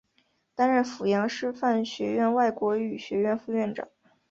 担任阜阳师范学院外国语学院副院长。